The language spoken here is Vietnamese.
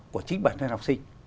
của chính bản thân học sinh